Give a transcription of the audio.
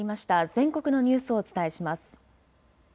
全国のニュースをお伝えします。